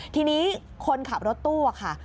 ทีนี้คนขับรถตู้ค่ะ